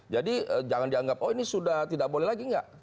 jadi jangan dianggap oh ini sudah tidak boleh lagi enggak